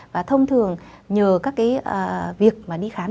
và thông thường nhờ các việc đi khám